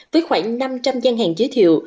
với khoảng năm trăm linh gian hàng giới thiệu